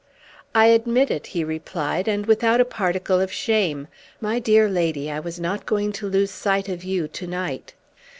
"I admit it," he replied, "and without a particle of shame. My dear lady, I was not going to lose sight of you to night!"